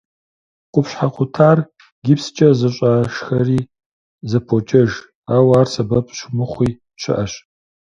Къупщхьэ къутар гипскӏэ зэщӏашхэри зэпокӏэж, ауэ ар сэбэп щымыхъуи щыӏэщ.